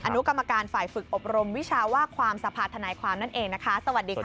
อนุกรรมการฝ่ายฝึกอบรมวิชาว่าความสภาธนายความนั่นเองนะคะสวัสดีค่ะ